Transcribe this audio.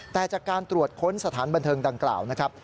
แต่จากการตรวจค้นสถานบันเทิงดังกล่าวนะครับ